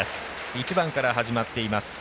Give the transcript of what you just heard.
１番から始まっています。